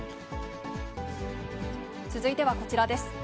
続いてはこちらです。